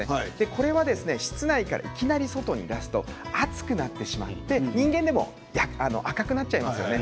これは室内から外に出すと暑くなってしまって人間でも赤くなっちゃいますよね。